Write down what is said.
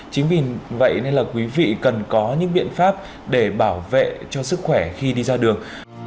chính vì vậy nên là quý vị cần có những biện pháp để bảo vệ cho sức khỏe khi đi ra đường